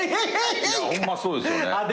ホンマそうですよね。